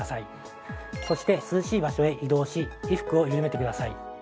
そして涼しい場所へ移動し衣服を緩めてください。